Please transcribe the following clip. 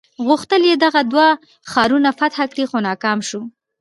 غوښتل یې دغه دوه ښارونه فتح کړي خو ناکام شو.